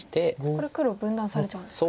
これ黒分断されちゃうんですね。